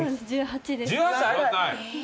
１８歳！？